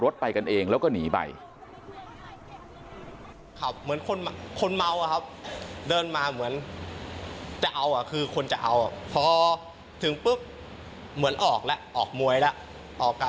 เดินมาเหมือนคือคุณจะเอาพอถึงปุ๊บเหมือนออกไมโมยและ